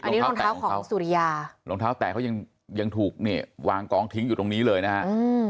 อันนี้รองเท้าของสุริยารองเท้าแตะเขายังยังถูกเนี่ยวางกองทิ้งอยู่ตรงนี้เลยนะฮะอืม